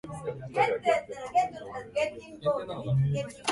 略奪し、凌辱したのちに留置される。